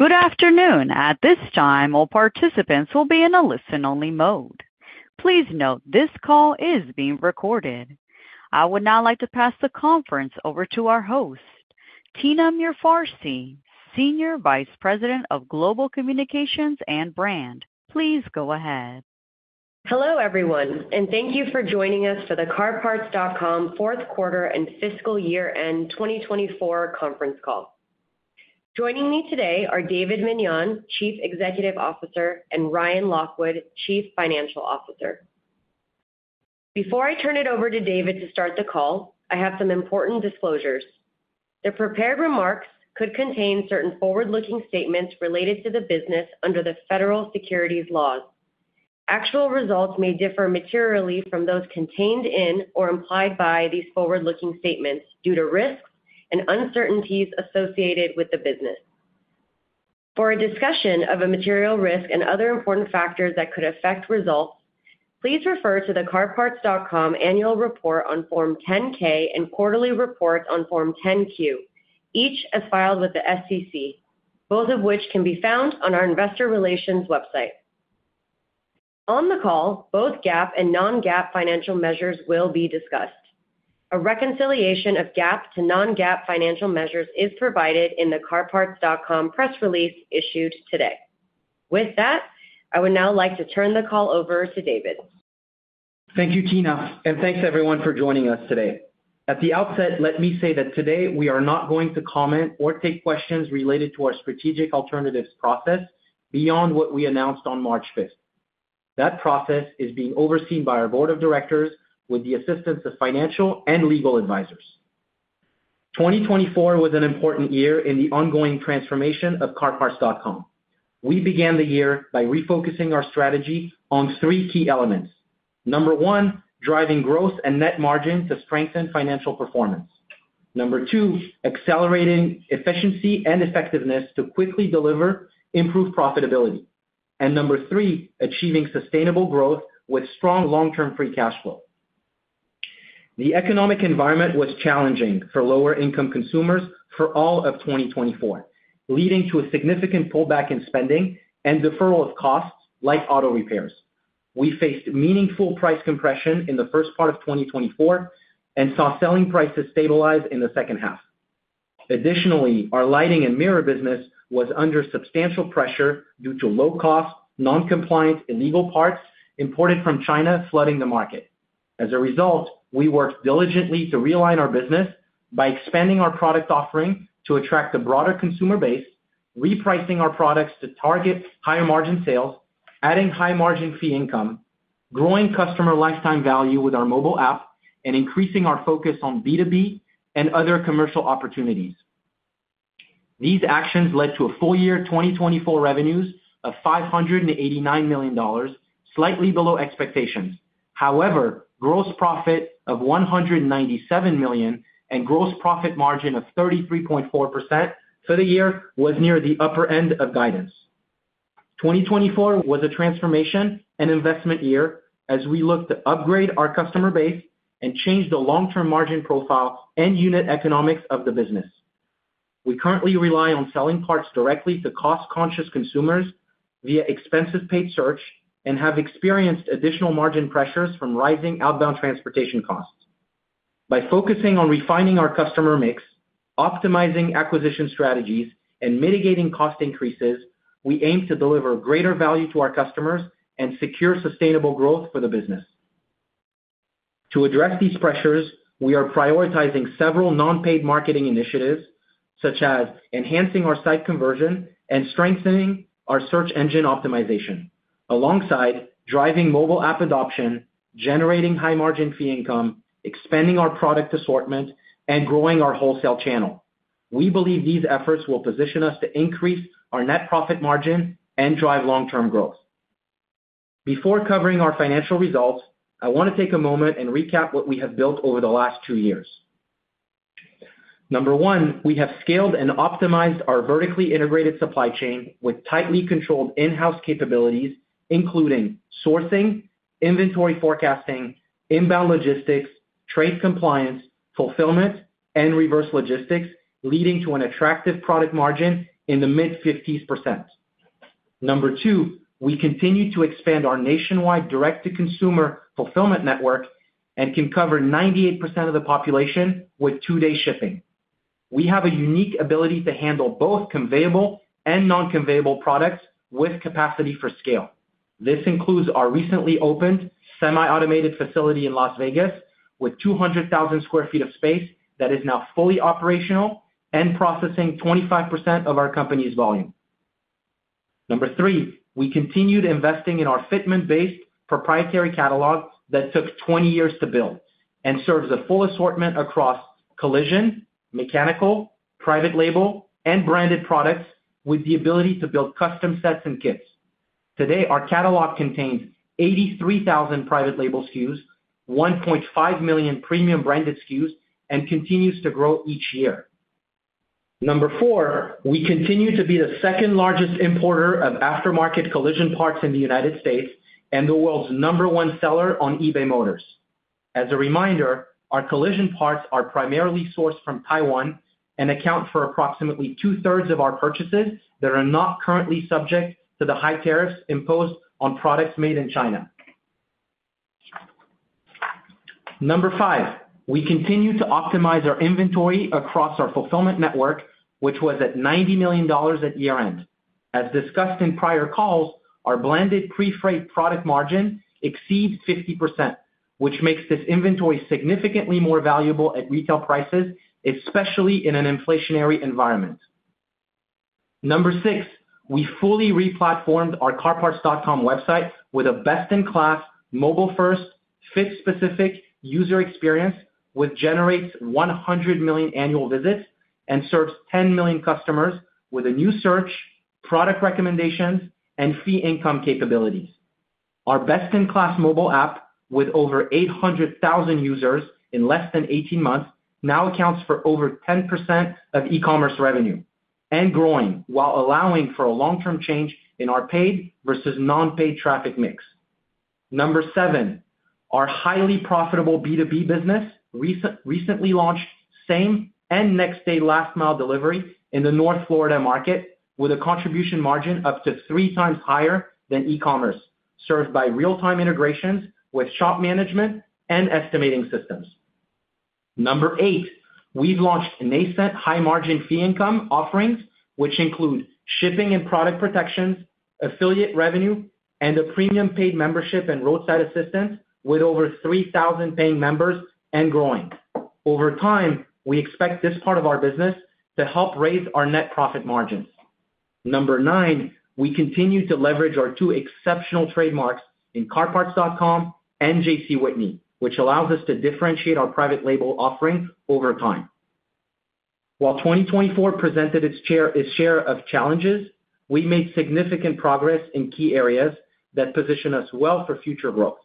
Good afternoon. At this time, all participants will be in a listen-only mode. Please note this call is being recorded. I would now like to pass the conference over to our host, Tina Mirfarsi, Senior Vice President of Global Communications and Brand. Please go ahead. Hello, everyone, and thank you for joining us for the CarParts.com fourth quarter and fiscal year end 2024 conference call. Joining me today are David Meniane, Chief Executive Officer, and Ryan Lockwood, Chief Financial Officer. Before I turn it over to David to start the call, I have some important disclosures. The prepared remarks could contain certain forward-looking statements related to the business under the federal securities laws. Actual results may differ materially from those contained in or implied by these forward-looking statements due to risks and uncertainties associated with the business. For a discussion of a material risk and other important factors that could affect results, please refer to the CarParts.com Annual Report on Form 10-K and Quarterly Reports on Form 10-Q, each as filed with the SEC, both of which can be found on our Investor Relations website. On the call, both GAAP and non-GAAP financial measures will be discussed. A reconciliation of GAAP to non-GAAP financial measures is provided in the CarParts.com Press Release issued today. With that, I would now like to turn the call over to David. Thank you, Tina, and thanks, everyone, for joining us today. At the outset, let me say that today we are not going to comment or take questions related to our Strategic Alternatives process beyond what we announced on March 5th. That process is being overseen by our Board of Directors with the assistance of financial and legal advisors. 2024 was an important year in the ongoing transformation of CarParts.com. We began the year by refocusing our strategy on three key elements. Number one, driving growth and net margin to strengthen financial performance. Number two, accelerating efficiency and effectiveness to quickly deliver improved profitability. Number three, achieving sustainable growth with strong long-term free cash flow. The economic environment was challenging for lower-income consumers for all of 2024, leading to a significant pullback in spending and deferral of costs like auto repairs. We faced meaningful price compression in the first part of 2024 and saw selling prices stabilize in the second half. Additionally, our lighting and mirror business was under substantial pressure due to low-cost, non-compliant, illegal parts imported from China flooding the market. As a result, we worked diligently to realign our business by expanding our product offering to attract a broader consumer base, repricing our products to target higher margin sales, adding high-margin fee income, growing customer lifetime value with our mobile app, and increasing our focus on B2B and other commercial opportunities. These actions led to a full-year 2024 revenues of $589 million, slightly below expectations. However, gross profit of $197 million and gross profit margin of 33.4% for the year was near the upper end of guidance. 2024 was a transformation and investment year as we looked to upgrade our customer base and change the long-term margin profile and unit economics of the business. We currently rely on selling parts directly to cost-conscious consumers via expensive paid search and have experienced additional margin pressures from rising outbound transportation costs. By focusing on refining our customer mix, optimizing acquisition strategies, and mitigating cost increases, we aim to deliver greater value to our customers and secure sustainable growth for the business. To address these pressures, we are prioritizing several non-paid marketing initiatives, such as enhancing our site conversion and strengthening our search engine optimization, alongside driving mobile app adoption, generating high-margin fee income, expanding our product assortment, and growing our wholesale channel. We believe these efforts will position us to increase our net profit margin and drive long-term growth. Before covering our financial results, I want to take a moment and recap what we have built over the last two years. Number one, we have scaled and optimized our vertically integrated supply chain with tightly controlled in-house capabilities, including sourcing, inventory forecasting, inbound logistics, trade compliance, fulfillment, and reverse logistics, leading to an attractive product margin in the mid-50% range. Number two, we continue to expand our nationwide direct-to-consumer fulfillment network and can cover 98% of the population with two-day shipping. We have a unique ability to handle both conveyable and non-conveyable products with capacity for scale. This includes our recently opened semi-automated facility in Las Vegas with 200,000 sq ft of space that is now fully operational and processing 25% of our company's volume. Number three, we continued investing in our fitment-based proprietary catalog that took 20 years to build and serves a full assortment across collision, mechanical, private label, and branded products with the ability to build custom sets and kits. Today, our catalog contains 83,000 private label SKUs, 1.5 million premium branded SKUs, and continues to grow each year. Number four, we continue to be the second-largest importer of aftermarket collision parts in the United States and the world's number one seller on eBay Motors. As a reminder, our collision parts are primarily sourced from Taiwan and account for approximately two-thirds of our purchases that are not currently subject to the high tariffs imposed on products made in China. Number five, we continue to optimize our inventory across our fulfillment network, which was at $90 million at year-end. As discussed in prior calls, our blended pre-freight product margin exceeds 50%, which makes this inventory significantly more valuable at retail prices, especially in an inflationary environment. Number six, we fully re-platformed our CarParts.com website with a best-in-class, mobile-first, fit-specific user experience which generates 100 million annual visits and serves 10 million customers with a new search, product recommendations, and fee income capabilities. Our best-in-class mobile app with over 800,000 users in less than 18 months now accounts for over 10% of e-commerce revenue and growing while allowing for a long-term change in our paid versus non-paid traffic mix. Number seven, our highly profitable B2B business recently launched same and next-day last-mile delivery in the North Florida market with a contribution margin up to three times higher than e-commerce, served by real-time integrations with shop management and estimating systems. Number eight, we've launched nascent high-margin fee income offerings, which include shipping and product protections, affiliate revenue, and a premium paid membership and roadside assistance with over 3,000 paying members and growing. Over time, we expect this part of our business to help raise our net profit margins. Number nine, we continue to leverage our two exceptional trademarks in CarParts.com and JC Whitney, which allows us to differentiate our private label offering over time. While 2024 presented its share of challenges, we made significant progress in key areas that position us well for future growth.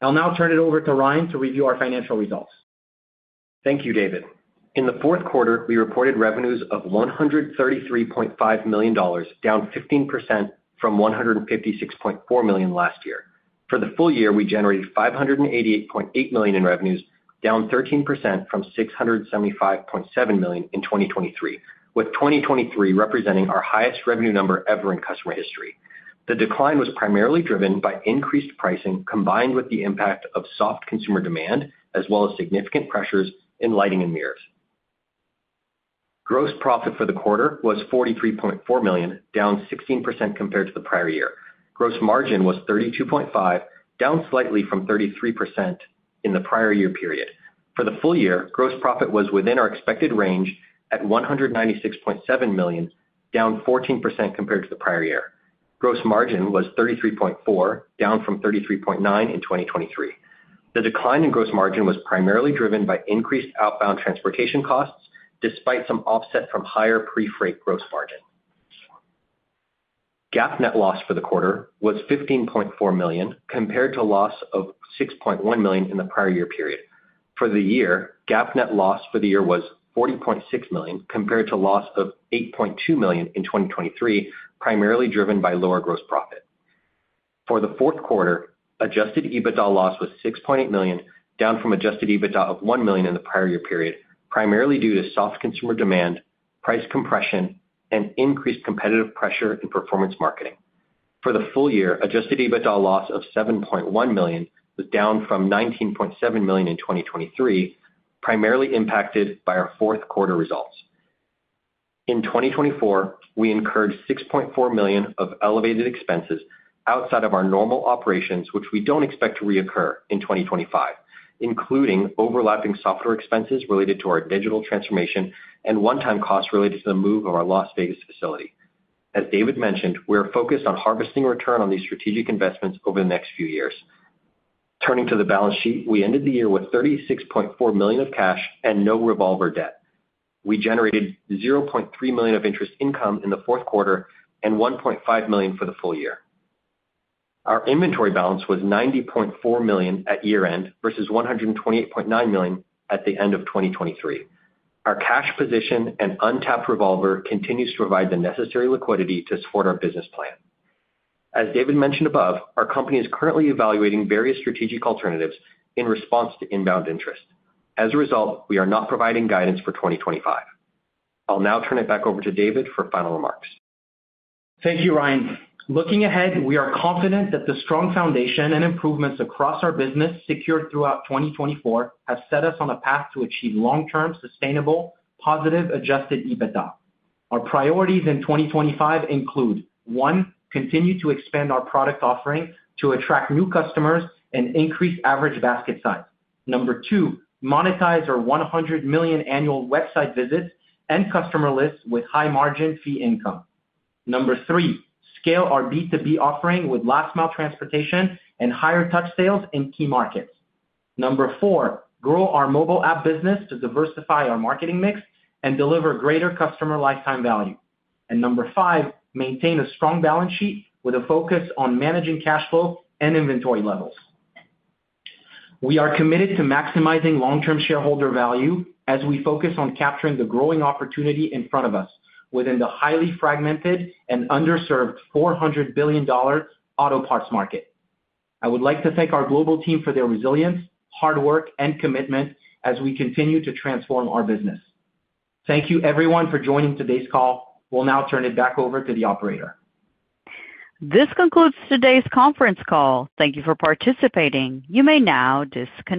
I'll now turn it over to Ryan to review our financial results. Thank you, David. In the fourth quarter, we reported revenues of $133.5 million, down 15% from $156.4 million last year. For the full year, we generated $588.8 million in revenues, down 13% from $675.7 million in 2023, with 2023 representing our highest revenue number ever in customer history. The decline was primarily driven by increased pricing combined with the impact of soft consumer demand, as well as significant pressures in lighting and mirrors. Gross profit for the quarter was $43.4 million, down 16% compared to the prior year. Gross margin was 32.5%, down slightly from 33% in the prior year period. For the full year, gross profit was within our expected range at $196.7 million, down 14% compared to the prior year. Gross margin was 33.4%, down from 33.9% in 2023. The decline in gross margin was primarily driven by increased outbound transportation costs, despite some offset from higher pre-freight gross margin. GAAP net loss for the quarter was $15.4 million compared to a loss of $6.1 million in the prior year period. For the year, GAAP net loss for the year was $40.6 million compared to a loss of $8.2 million in 2023, primarily driven by lower gross profit. For the fourth quarter, adjusted EBITDA loss was $6.8 million, down from adjusted EBITDA of $1 million in the prior year period, primarily due to soft consumer demand, price compression, and increased competitive pressure in performance marketing. For the full year, adjusted EBITDA loss of $7.1 million was down from $19.7 million in 2023, primarily impacted by our fourth quarter results. In 2024, we incurred $6.4 million of elevated expenses outside of our normal operations, which we don't expect to reoccur in 2025, including overlapping software expenses related to our digital transformation and one-time costs related to the move of our Las Vegas facility. As David mentioned, we are focused on harvesting return on these strategic investments over the next few years. Turning to the balance sheet, we ended the year with $36.4 million of cash and no revolver debt. We generated $0.3 million of interest income in the fourth quarter and $1.5 million for the full year. Our inventory balance was $90.4 million at year-end versus $128.9 million at the end of 2023. Our cash position and untapped revolver continue to provide the necessary liquidity to support our business plan. As David mentioned above, our company is currently evaluating various strategic alternatives in response to inbound interest. As a result, we are not providing guidance for 2025. I'll now turn it back over to David for final remarks. Thank you, Ryan. Looking ahead, we are confident that the strong foundation and improvements across our business secured throughout 2024 have set us on a path to achieve long-term, sustainable, positive adjusted EBITDA. Our priorities in 2025 include: one, continue to expand our product offering to attract new customers and increase average basket size. Number two, monetize our 100 million annual website visits and customer lists with high-margin fee income. Number three, scale our B2B offering with last-mile transportation and higher touch sales in key markets. Number four, grow our mobile app business to diversify our marketing mix and deliver greater customer lifetime value. Number five, maintain a strong balance sheet with a focus on managing cash flow and inventory levels. We are committed to maximizing long-term shareholder value as we focus on capturing the growing opportunity in front of us within the highly fragmented and underserved $400 billion auto parts market. I would like to thank our global team for their resilience, hard work, and commitment as we continue to transform our business. Thank you, everyone, for joining today's call. We'll now turn it back over to the operator. This concludes today's conference call. Thank you for participating. You may now disconnect.